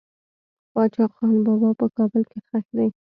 باچا خان بابا په کابل کې خښ دي.